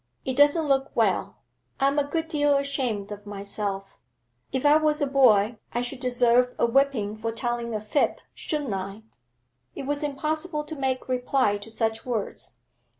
It doesn't look well; I am a good deal ashamed of myself; if I was a boy I should deserve a whipping for telling a fib, shouldn't I?' It was impossible to make reply to such words.